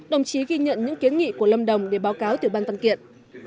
đồng chí ghi nhận những kiến nghị của lâm đồng để báo cáo tiểu ban văn kiện